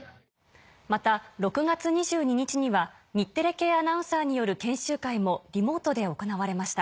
また６月２２日には日テレ系アナウンサーによる研修会もリモートで行われました。